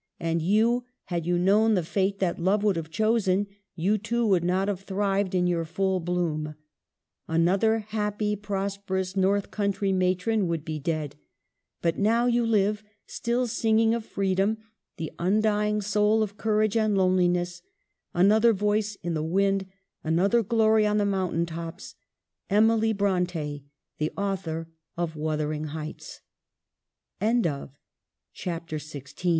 And you, had you known the fate that love would have chosen, you too would not have thrived in your full bloom. Another happy, prosperous north country matron would be dead. But now you live, still singing of freedom, the undying soul of courage and loneliness, another voice in the wind, another glory on the moun tain tops, Emily Bronte, the author of ' Wither in